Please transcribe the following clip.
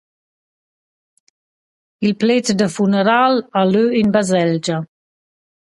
Il pled da funaral ha lö in baselgia.